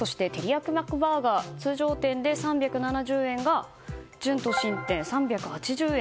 やきマックバーガー通常店で３７０円が準都心店、３８０円